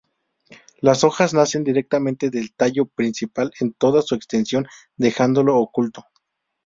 Las hojas nacen directamente del tallo principal en toda su extensión, dejándolo oculto.